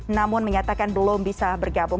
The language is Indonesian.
namun menyatakan belum bisa bergabung